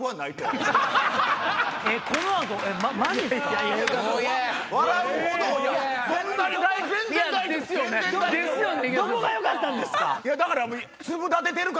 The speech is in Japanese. どこがよかったんですか？